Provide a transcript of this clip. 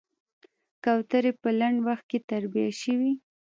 کوترې په لنډ وخت کې تربيه شوې.